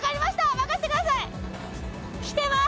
任せてくださいきてます！